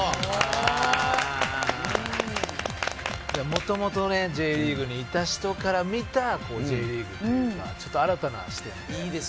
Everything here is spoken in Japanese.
元々ねＪリーグにいた人から見たＪリーグというかちょっと新たな視点で。